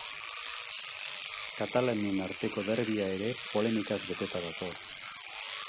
Katalanen arteko derbia ere polemikaz beteta dator.